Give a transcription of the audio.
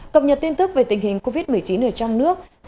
cập nhật tin tức về tình hình covid một mươi chín ở trong nước